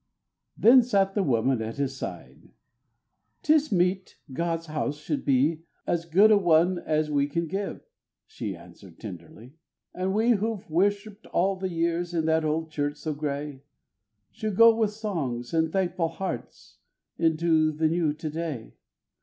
Then sat the woman at his side: "'Tis meet God's house should be As good a one as we can give," she answered tenderly. "And we who've worshipped all the years in that old church so gray, Should go with songs, and thankful hearts, into the new to day.